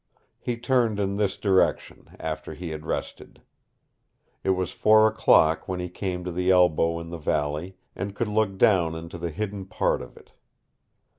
He turned in this direction after he had rested. It was four o'clock when he came to the elbow in the valley, and could look down into the hidden part of it.